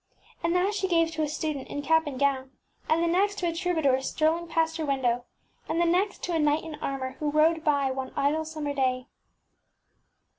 And that she gave to a student in cap and gown, and the next to a troubadour strolling past her window, and the next to a knight in armour who rode by one idle summer day.